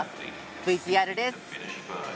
ＶＴＲです。